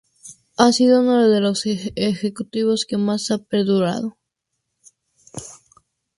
Ha sido uno de los ejecutivos que más ha perdurado.